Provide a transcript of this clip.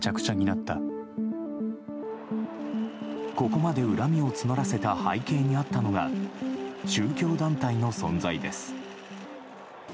ここまで恨みを募らせた背景にあったのが宗教団体の存在です。